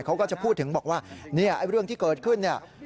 เขาก็จะพูดถึงบอกว่าเรื่องที่เกิดขึ้น